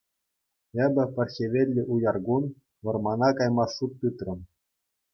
Эпӗ, пӗр хӗвеллӗ уяр кун, вӑрмана кайма шут тытрӑм.